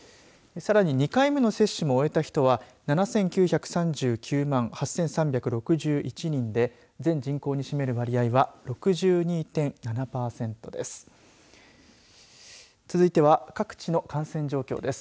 さらに２回目の接種も終えた人は７９３９万８３６１人で全人口に占める割合は６２．７パーセントです。